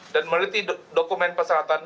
dan meneliti dokumen perseratan